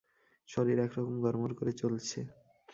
শরীর এক-রকম গড়মড় করে চলছে।